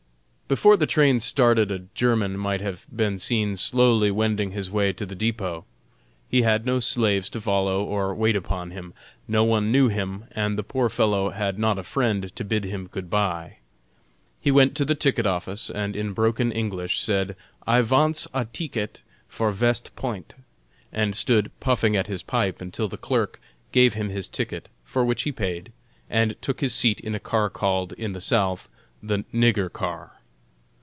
Before the train started a German might have been seen slowly wending his way to the depot. He had no slaves to follow, or wait upon him. No one knew him, and the poor fellow had not a friend to bid him good bye. He went to the ticket office, and in broken English said: "I vants a teeket for Vest Point;" and stood puffing at his pipe until the clerk gave him his ticket, for which he paid, and took his seat in a car called, in the South, the "nigger car."